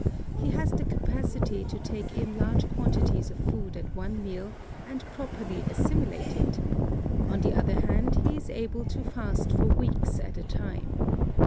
He has the capacity to take in large quantities of food at one meal and properly assimilate it; on the other hand he is able to fast for weeks at a time.